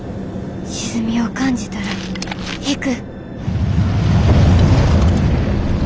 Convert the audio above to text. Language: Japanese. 沈みを感じたら引く。